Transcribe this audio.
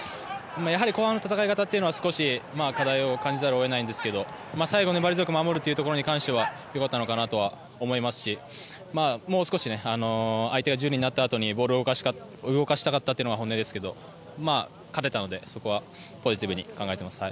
後半の戦い方は課題を感じざるを得ないんですが最後、粘り強く守るということに関しては良かったのかなと思いますし相手が１０人になったあとにボールを動かしたかったのが本音ですけど、勝てたのでそこはポジティブに考えています。